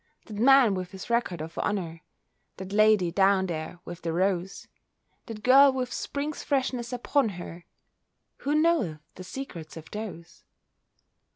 That man with his record of honour, That lady down there with the rose, That girl with Spring's freshness upon her, Who knoweth the secrets of those?